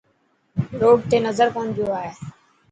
روڊ تي نظر ڪون پيو آئي.